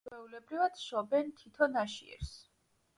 ჩვეულებრივ შობენ თითო ნაშიერს.